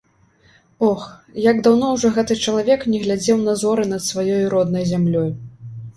Ох, як даўно ўжо гэты чалавек не глядзеў на зоры над сваёй роднай зямлёй!